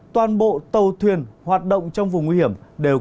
toàn bộ tàu thuyền hoạt động trong vùng nguy hiểm đều có nguy cơ